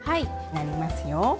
なりますよ。